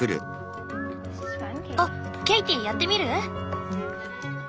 あっケイティやってみる？